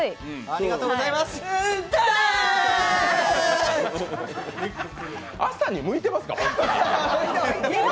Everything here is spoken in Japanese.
ありがとうございます。